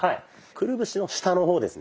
くるぶしの下の方ですね。